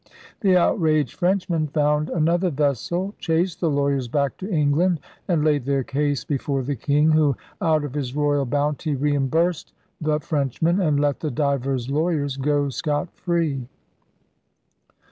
The outraged Frenchmen found an other vessel, chased the lawyers back to Eng land, and laid their case before the King, who, 'out of his Royall Bountie,' reimbursed the 36 ELIZABETHAN SEA DOGS Frenchmen and let the * divers lawyers* go scot free.